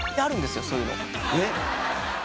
えっ？